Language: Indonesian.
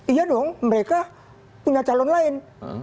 iya dong mereka punya calon lain